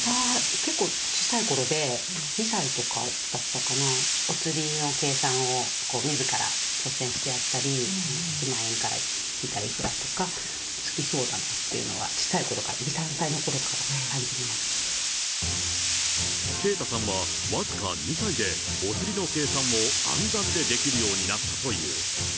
結構、小さいころで２歳とかだったかな？お釣りの計算をみずから率先してやったり、一万円から引いたらいくらとか、好きそうだなっていうのは小さいころから、２、圭太さんは、僅か２歳でお釣りの計算を暗算でできるようになったという。